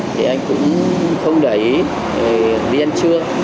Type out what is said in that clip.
thì anh cũng không để ý đi ăn trưa